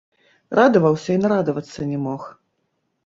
Радаваўся і нарадавацца не мог.